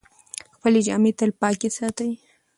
خپلې جامې تل پاکې ساتئ.